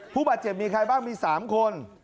ผู้บาดเจ็บมีใครบ้างมี๓คน